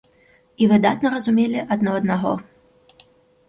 І выдатна разумелі адно аднаго.